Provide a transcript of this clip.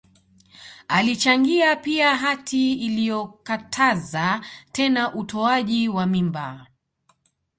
Alichangia pia hati iliyokataza tena utoaji wa mimba